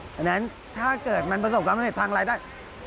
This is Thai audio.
ฉะนั้นถ้าเกิดมันประสบการณ์ไม่ได้ทางอะไรได้